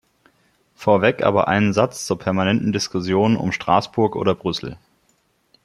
Vorweg aber einen Satz zur permanenten Diskussion um Straßburg oder Brüssel.